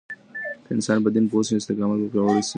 که انسان په دين پوه شي، استقامت به پیاوړی شي.